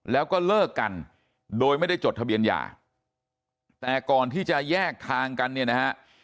แล้วก็เลิกกันโดยไม่ได้จดทะเบียนหย่าแต่ก่อนที่จะแยกทางกันเนี่ยนะฮะ